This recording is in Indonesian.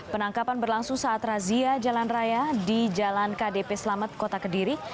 penangkapan berlangsung saat razia jalan raya di jalan kdp selamat kota kediri